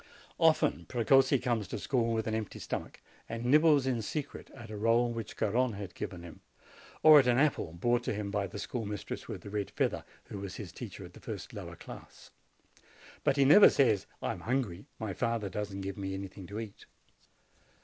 Often Precossi comes to school with an empty stomach, and nibbles in secret at a roll which Garrone has given him, or at an apple brought to him by the schoolmistress with the red feather, who was his teacher in the first lower class. But he never say, "I am hungry; my father does not give me any thing to eat."